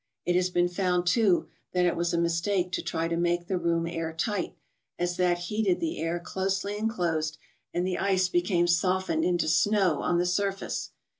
It has been found, too, that it was a mis¬ take to try to make the room air tight, as that heated the air closely enclosed, and the ice became softened into snow on the surface.